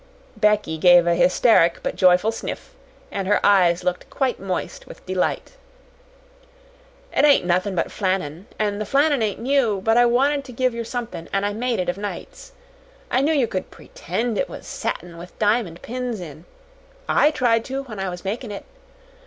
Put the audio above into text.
Becky gave a hysteric but joyful sniff, and her eyes looked quite moist with delight. "It ain't nothin' but flannin, an' the flannin ain't new; but I wanted to give yer somethin' an' I made it of nights. I knew yer could PRETEND it was satin with diamond pins in. I tried to when I was makin' it.